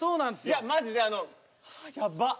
いやマジであのはあやばっ。